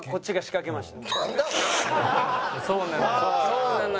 そうなのよ